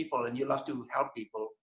dan anda suka membantu orang